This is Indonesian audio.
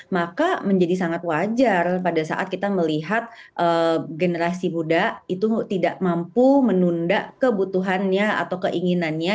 maka menjadi sangat wajar pada saat kita melihat generasi muda itu tidak mampu menunda kebutuhannya atau keinginannya